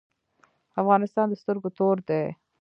افغانستان د سترګو تور دی